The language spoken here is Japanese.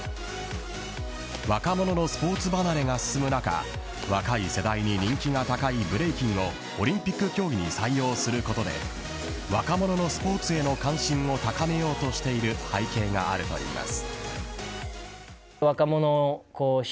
若者のスポーツ離れが進む中若い世代に人気が高いブレイキンをオリンピック競技に採用することで若者のスポーツへの関心を高めようとしている背景があるといいます。